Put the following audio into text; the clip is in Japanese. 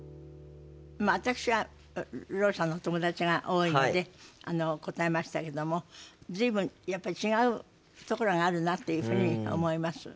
まあ私はろう者の友達が多いので答えましたけども随分やっぱ違うところがあるなっていうふうに思います。